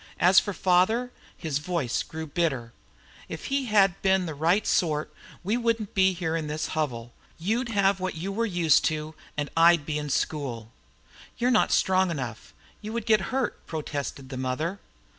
As for father," his voice grew bitter, "if he'd been the right sort we wouldn't be here in this hovel. You'd have what you were once used to, and I'd be in school." "You're not strong enough; you would get hurt," protested the mother.